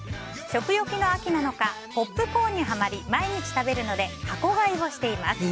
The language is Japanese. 食欲の秋なのかポップコーンにはまり毎日食べるので箱買いをしています。